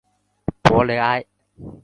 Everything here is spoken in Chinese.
博雷埃。